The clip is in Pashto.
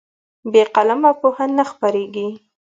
بې قلمه پوهه نه خپرېږي.